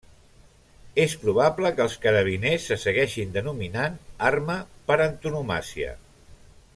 És probable que els carabiners se segueixin denominant Arma per antonomàsia.